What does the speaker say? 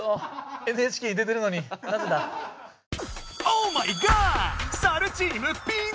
オーマイガー！